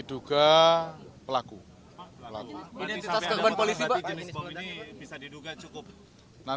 diduga pelaku atau ada kekebanan ke polisi pak